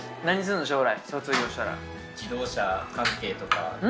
卒業したら。